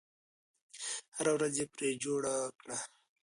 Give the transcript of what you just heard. سره ورځ یې پرې جوړه کړه.